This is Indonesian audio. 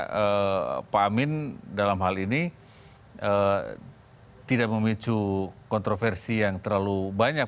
karena pak amin dalam hal ini tidak memicu kontroversi yang terlalu banyak